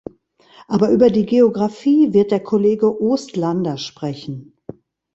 Aber über die Geographie wird der Kollege Oostlander sprechen.